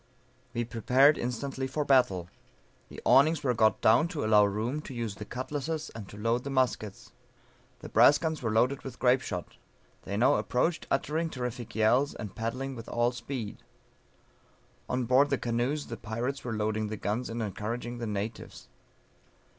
We prepared instantly for battle; the awnings were got down to allow room to use the cutlasses and to load the muskets. The brass guns were loaded with grape shot. They now approached uttering terrific yells, and paddling with all speed. On board the canoes the pirates were loading the guns and encouraging the natives.